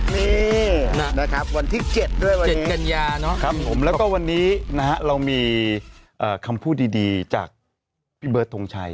นี่นะครับวันที่๗ด้วยวัน๗กันยาเนาะแล้วก็วันนี้นะฮะเรามีคำพูดดีจากพี่เบิร์ดทงชัย